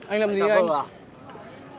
anh làm gì anh